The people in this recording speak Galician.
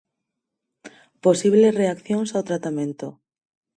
Posibles reaccións ao tratamento.